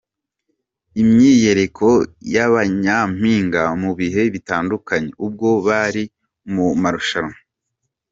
Imyiyereko ya ba nyampinga mu bihe bitandukanye, ubwo bari mu marushanwa .